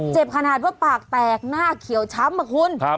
ขนาดว่าปากแตกหน้าเขียวช้ำอะคุณ